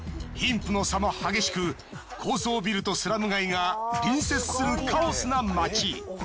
貧富の差も激しく高層ビルとスラム街が隣接するカオスな街。